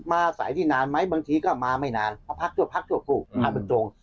มาอาศัยที่นานไหมบางทีก็มาไม่นานพอพักเถอะพักเถอะพูดพาบริโจง